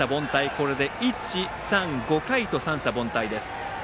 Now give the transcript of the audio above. これで１、３、５回と三者凡退です。